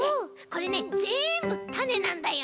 これねぜんぶたねなんだよ。